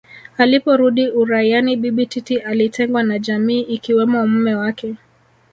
Aliporudi uraiani Bibi Titi alitengwa na jamii ikiwemo mme wake